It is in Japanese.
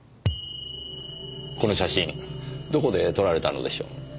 この写真どこで撮られたのでしょう。